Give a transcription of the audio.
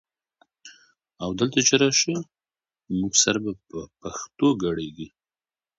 او دلته چې راشي موږ سره به په پښتو ګړېیږي؛